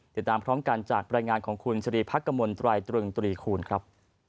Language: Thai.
ติดตามพร้อมกันจากรายงานของคุณสรีพักกมลตรายตรึงตรีคูณครับ